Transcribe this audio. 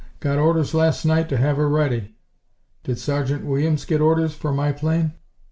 Got orders last night to have her ready." "Did Sergeant Williams get orders for my plane?"